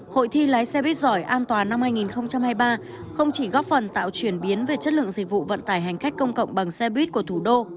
hội thi lái xe buýt giỏi an toàn năm hai nghìn hai mươi ba không chỉ góp phần tạo chuyển biến về chất lượng dịch vụ vận tải hành khách công cộng bằng xe buýt của thủ đô